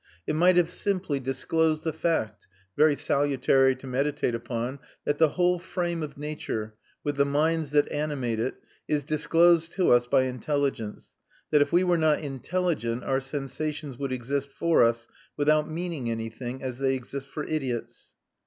It might have simply disclosed the fact, very salutary to meditate upon, that the whole frame of nature, with the minds that animate it, is disclosed to us by intelligence; that if we were not intelligent our sensations would exist for us without meaning anything, as they exist for idiots.